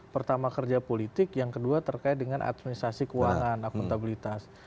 pertama kerja politik yang kedua terkait dengan administrasi keuangan akuntabilitas